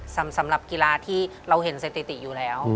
สำหรับกีฬาที่เราเห็นสถิติอยู่แล้ว